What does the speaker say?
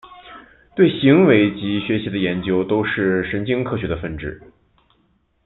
对行为及学习的研究都是神经科学的分支。